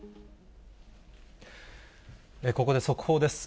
ここで速報です。